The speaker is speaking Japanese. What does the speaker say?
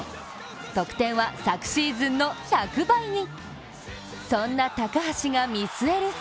得点は昨シーズンの１００倍に！